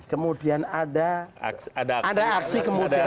kemudian ada aksi